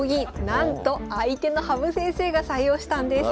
なんと相手の羽生先生が採用したんです。